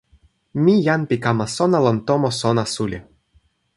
mi jan pi kama sona lon tomo sona suli.